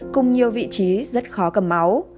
cùng nhiều vị trí rất khó cầm